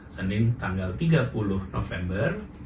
senin tanggal tiga puluh november